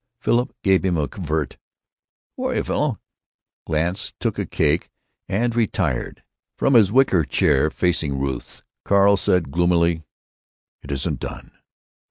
Philip gave him a covert "Who are you, fellow?" glance, took a cake, and retired. From his wicker chair facing Ruth's, Carl said, gloomily, "It isn't done."